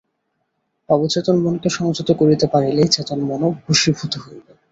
অবচেতন-মনকে সংযত করিতে পারিলেই চেতন মনও বশীভূত হইবে।